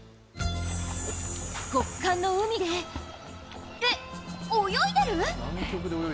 極寒の海で、えっ、泳いでる？